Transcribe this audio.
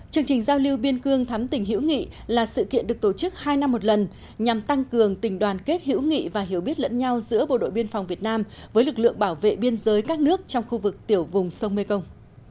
chương trình giao lưu biên cương thắm tỉnh hữu nghị là sự kiện được tổ chức hai năm một lần nhằm tăng cường tình đoàn kết hữu nghị và hiểu biết lẫn nhau giữa bộ đội biên phòng việt nam với lực lượng bảo vệ biên giới các nước trong khu vực tiểu vùng sông mekong